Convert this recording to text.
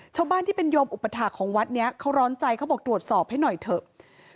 ชาวบ้านที่เป็นโยมอุปถาคของวัดนี้เขาร้อนใจเขาบอกตรวจสอบให้หน่อยเถอะ